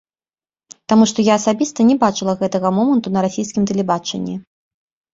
Таму што я асабіста не бачыла гэтага моманту на расійскім тэлебачанні.